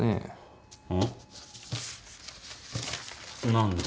何だ？